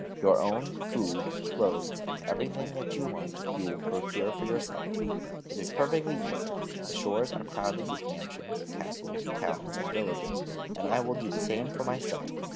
Your own food, clothes, and everything that you want, you will procure for yourself: it is perfectly easy: the shores are crowded with mansions, castles, towns and villages; and I will do the same for myself.